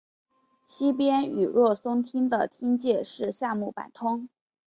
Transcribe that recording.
西边与若松町的町界是夏目坂通。